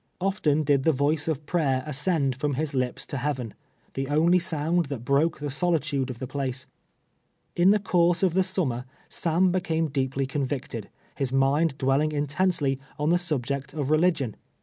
Often did the voice of prayer ascend from his lips to heaven, the only sound that broke the solitude of the place. In the course of tlie summer Sam became deeply convicted, his mind dwelling intensely on the subject of religion.